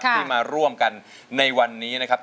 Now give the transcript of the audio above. ที่มาร่วมกันในวันนี้นะครับ